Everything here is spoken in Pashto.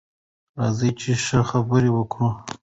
راځئ چې ښه خبرې وکړو.